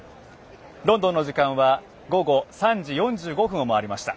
ロンドンの時間は午後３時４５分を回りました。